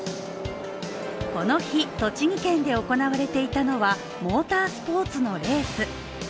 この日、栃木県で行われていたのはモータースポーツのレース。